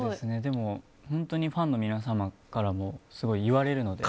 本当にファンの皆様からもすごい言われるので。